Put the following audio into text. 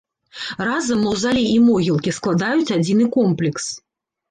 Разам маўзалей і могілкі складаюць адзіны комплекс.